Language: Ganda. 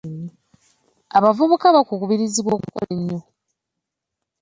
Abavubuka bakubirizibwa okukola ennyo.